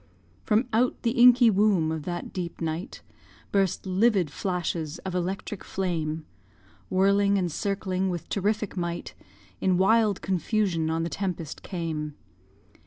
From out the inky womb of that deep night Burst livid flashes of electric flame. Whirling and circling with terrific might, In wild confusion on the tempest came.